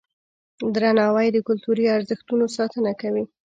درناوی د کلتوري ارزښتونو ساتنه کوي.